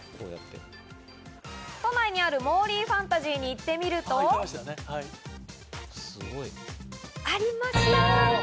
都内にあるモーリーファンタジーに行ってみると、ありました！